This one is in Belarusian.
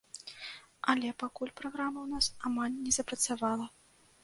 Але пакуль праграма ў нас амаль не запрацавала.